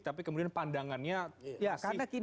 tapi kemudian pandangannya masih